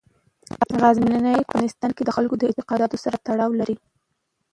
غزني په افغانستان کې د خلکو له اعتقاداتو سره تړاو لري.